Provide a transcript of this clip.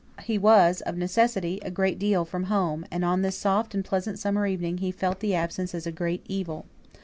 He was, of necessity, a great deal from home, and on this soft and pleasant summer evening he felt the absence as a great evil.